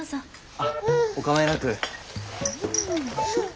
あっお構いなく。